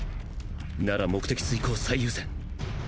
なら目的遂行を最優先。